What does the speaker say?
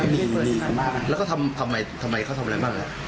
แม่เต็อมไปแล้วก็ทำอะไรบ้าง